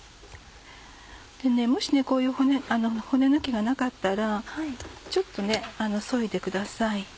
でねもしこういう骨抜きがなかったらちょっとそいでください。